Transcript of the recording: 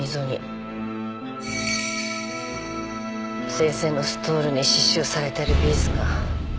先生のストールに刺しゅうされてるビーズが。